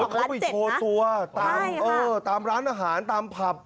เขาไปโชว์ตัวตามร้านอาหารตามผับ